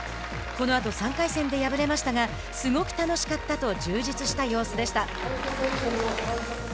このあと、３回戦で敗れましたがすごく楽しかったと充実した様子でした。